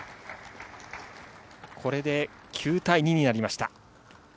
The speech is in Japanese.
これで９対２になりました。